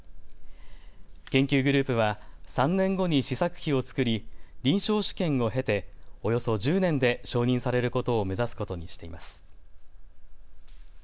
研究グループは３年後に試作機を作り臨床試験を経て、およそ１０年で承認されることを目指すことにしています。